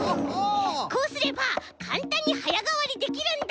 こうすればかんたんにはやがわりできるんだ。